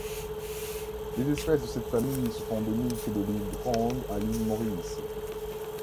Les espèces de cette famille sont endémiques de l'île Ronde à l'île Maurice.